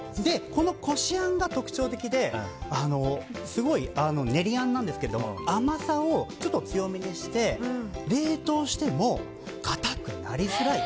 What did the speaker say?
このこしあんが特徴的で練りあんなんですけど甘さを強めにして冷凍しても硬くなりづらい。